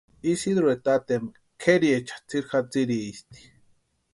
Isidrueri tatempa kʼeriecha tsiri jatsiristi.